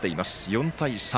４対３。